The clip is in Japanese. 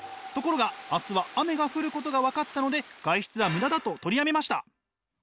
ところが明日は雨が降ることが分かったので外出はムダだと取りやめました。